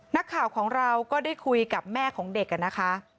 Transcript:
นักข่าวของเราก็ได้คุยกับแม่ของเด็กนะคะ